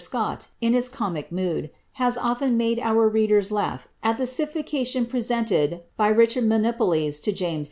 Scolt, in ilB comic mood, has often made our readers ]xagh nt the ><fSc» Xion presenled by Richard MonipHes to James 1.